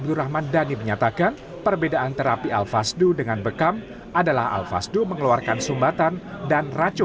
mudah mudahan dengan fasduh ini total ibadah kita lebih maksimal aja